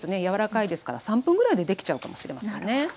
柔らかいですから３分ぐらいでできちゃうかもしれませんね。